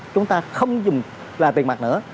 chúng ta không dùng là tiền mặt nữa